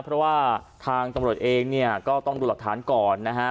เพราะว่าทางตำรวจเองเนี่ยก็ต้องดูหลักฐานก่อนนะฮะ